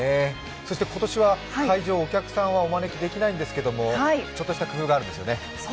そして今年は会場、お客さんはお招きできないんですがちょっとした工夫があるんですよね。